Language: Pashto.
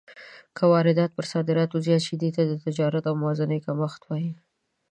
که واردات پر صادراتو زیات شي، دې ته د تجارت د موازنې کمښت وايي.